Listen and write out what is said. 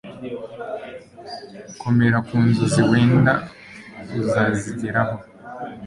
komera ku nzozi wenda uzazigeraho